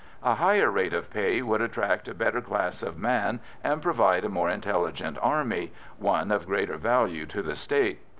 A higher rate of pay would attract a better class of man and provide a more intelligent army, one of greater value to the State.